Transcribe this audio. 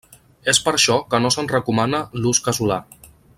És per això que no se'n recomana l'ús casolà.